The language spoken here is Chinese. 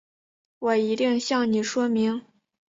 我一定向你说明